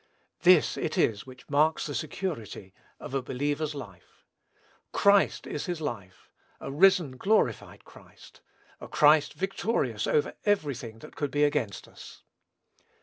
This it is which marks the security of the believer's life. Christ is his life, a risen, glorified Christ, a Christ victorious over every thing that could be against us.